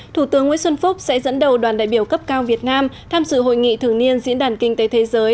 thủ tướng nguyễn xuân phúc sẽ dẫn đầu đoàn đại biểu cấp cao việt nam tham dự hội nghị thường niên diễn đàn kinh tế thế giới